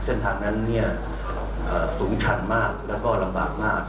เส้นทางนั้นสูงชันมากแล้วก็ลำบากมาก